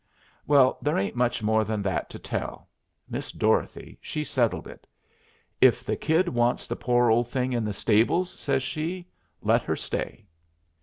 Well, there ain't much more than that to tell. Miss Dorothy she settled it. "If the Kid wants the poor old thing in the stables," says she, "let her stay."